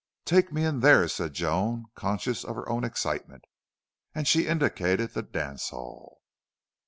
"Take me in there," said Joan, conscious of her own excitement, and she indicated the dance hall.